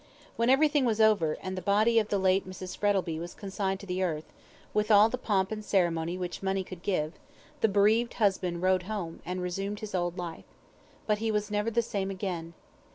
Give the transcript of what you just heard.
When everything was over, and the body of the late Mrs. Frettlby was consigned to the earth, with all the pomp and ceremony which money could give, the bereaved husband rode home, and resumed his old life. But he was never the same again.